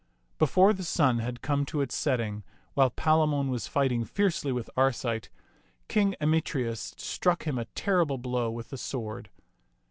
Before the sun had come to its setting, while Palamon was fighting fiercely with Arcite, King Emetreus struck him a ter rible blow with the sword.